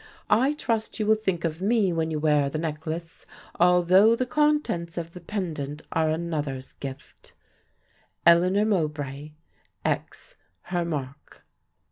I trust you will think of me when you wear the necklace, although the contents of the pendant are another's gift. ELEANOR MOWBRAY. X Her mark.